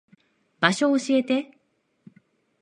場所教えて。